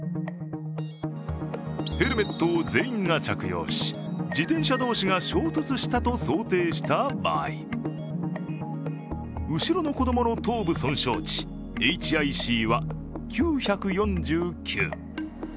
ヘルメットを全員が着用し自転車同士が衝突したと想定した場合、後ろの子供の頭部損傷値、ＨＩＣは９４９。